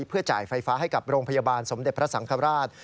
เพื่อจ่ายไฟฟ้าให้กับโรงพยาบาลสมเด็จพระสังฆราช